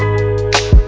terima kasih ya allah